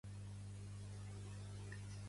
Pertany al moviment independentista el Donald?